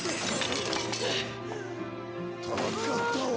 助かったわ。